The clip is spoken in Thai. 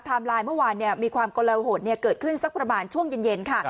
ไทม์ไลน์เมื่อวานเนี่ยมีความกระโหลโหดเนี่ยเกิดขึ้นสักประมาณช่วงเย็นค่ะ